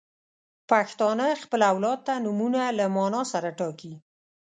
• پښتانه خپل اولاد ته نومونه له معنا سره ټاکي.